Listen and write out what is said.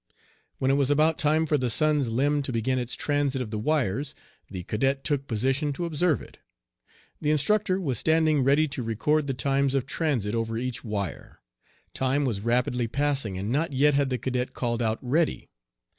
When it was about time for the sun's limb to begin its transit of the wires, the cadet took position to observe it. The instructor was standing ready to record the times of transit over each wire. Time was rapidly passing, and not yet had the cadet called out "Ready."